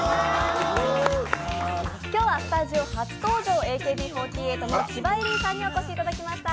今日はスタジオ発登場、ＡＫＢ４８の千葉恵里さんにお越しいただきました。